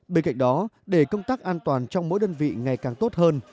bên cạnh đó để công tác an toàn trong mỗi đơn vị ngày càng tốt hơn